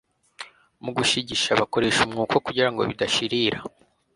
mu gushigisha, bakoresha umwuko, kugirango bidashirira